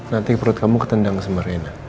nanti perut kamu ketendang sebenarnya